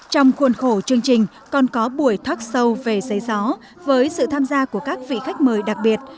trong khuôn khổ chương trình còn có buổi thoát sâu về giấy gió với sự tham gia của các vị khách mời đặc biệt